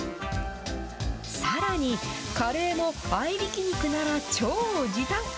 さらに、カレーも合いびき肉なら超時短。